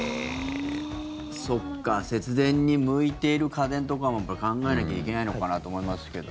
そっか節電に向いている家電とかも考えなきゃいけないのかなと思いますけど。